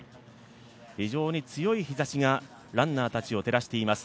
非常に強い日ざしがランナーたちを照らしています。